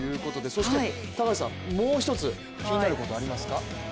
そしてもう一つ、気になることありますか？